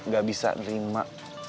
gak bisa nerima